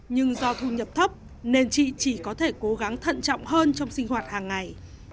nhưng do thu nhập thấp nên chị chỉ có thể cố gắng thận trọng hơn trong sinh hoạt hàng ngày